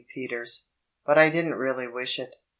Peters." But I didn't realty wish it.